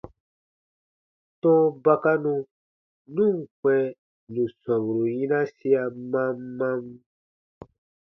Tɔ̃ɔ bakanu nu ǹ kpɛ̃ nù sɔmburu yinasia mam mam.